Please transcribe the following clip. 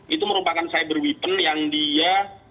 itu merupakan cyber weapon yang dia